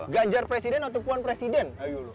ganjar presiden atau puan presiden